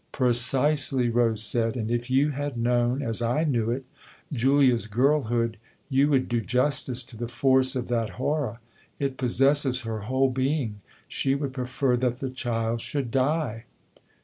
" Precisely," Rose said, " and if you had known, as I knew it, Julia's girlhood, you would do justice to the force of that horror. It possesses her whole being she would prefer that the child should die."